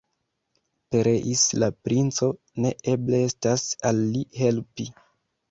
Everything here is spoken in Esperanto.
Pereis la princo, ne eble estas al li helpi.